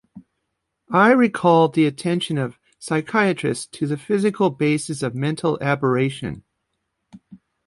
It recalled the attention of psychiatrists to the physical basis of mental aberration.